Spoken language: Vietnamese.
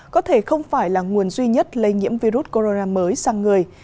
có thể không phải là nguồn duy nhất lây nhiễm virus corona mới sang người